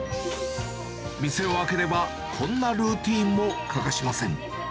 店を開ければ、こんなルーティーンも欠かしません。